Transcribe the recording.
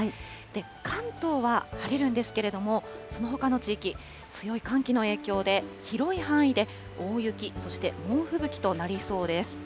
関東は晴れるんですけれども、そのほかの地域、強い寒気の影響で、広い範囲で大雪、そして猛吹雪となりそうです。